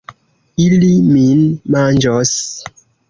Ili min manĝos.